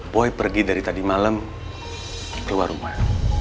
boy pergi dari tadi malam keluar rumah